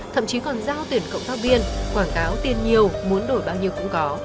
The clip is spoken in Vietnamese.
thậm chí còn giao tuyển cộng tác viên quảng cáo tiền nhiều muốn đổi bao nhiêu cũng có